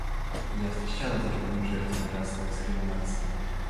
Я встречалась с другими жертвами расовой дискриминации.